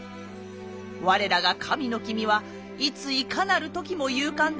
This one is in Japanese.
我らが神の君はいついかなる時も勇敢であらせられました。